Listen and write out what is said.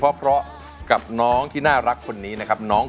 คุณแม่รู้สึกยังไงในตัวของกุ้งอิงบ้าง